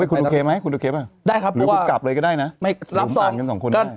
คุณโอเคไหมคุณโอเคปะหรือกลับเลยก็ได้นะรู้สึกมันกัน๒คนได้บ๊วยบ๊วยบ๊วย